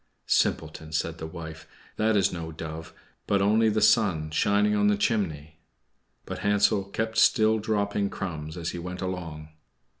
"Simpleton!" said the wife, "that is no dove, but only the sun shining on the chimney." But Hansel kept still dropping crumbs as he went along.